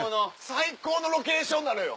最高のロケーションなのよ。